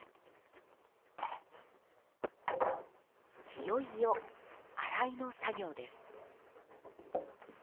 いよいよ洗いの作業です